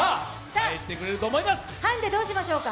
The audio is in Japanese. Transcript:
ハンデ、どうしましょうか？